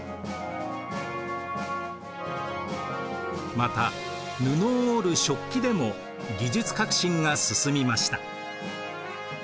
また布を織る織機でも技術革新が進みました。